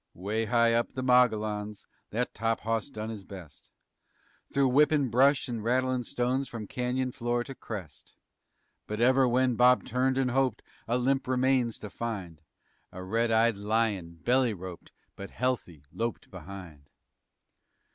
_" 'Way high up the Mogollons That top hawse done his best, Through whippin' brush and rattlin' stones, From canyon floor to crest. But ever when Bob turned and hoped A limp remains to find, A red eyed lion, belly roped But healthy, loped behind.